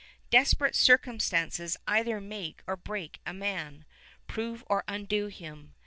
Desperate circumstances either make or break a man, prove or undo him.